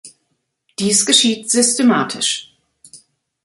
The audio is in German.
Dies geschieht systematisch.